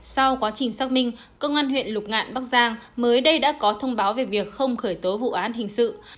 sau quá trình xác minh công an huyện lục ngạn bắc giang mới đây đã có thông báo về việc không khởi tố vụ án hình sự